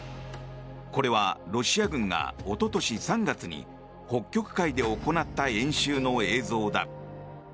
これはロシア軍がおととし３月に北極海で行った演習の映像だ。